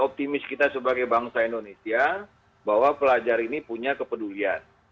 optimis kita sebagai bangsa indonesia bahwa pelajar ini punya kepedulian